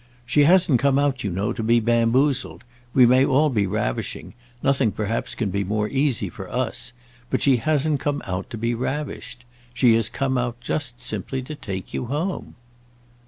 "She hasn't come out, you know, to be bamboozled. We may all be ravishing—nothing perhaps can be more easy for us; but she hasn't come out to be ravished. She has come out just simply to take you home."